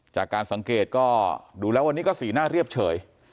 จากการสังเกตก็ดูแล้ววันนี้ก็สีหน้าเรียบเฉย